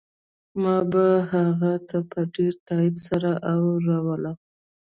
ما به هغه ته په ډېر تاکيد سره اوروله.